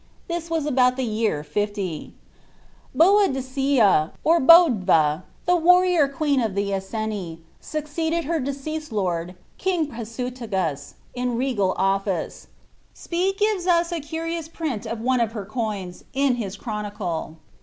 This was about the year 50. Iluadicpa, or Btidva, the wurrinr queen of Ilie Iceni, succeeded her :eased lord, king I'rasuliigus, in the regal office, Speed gives us a •ious print of one of her coins, in his ciironicte.